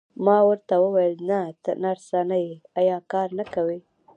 ما ورته وویل: ته نرسه نه یې، ایا کار نه کوې؟